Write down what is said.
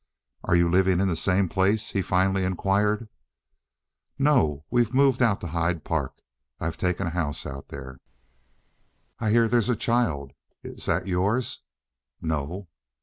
"Are you living in the same place?" he finally inquired. "No, we've moved out to Hyde Park. I've taken a house out there." "I hear there's a child. Is that yours?" "No."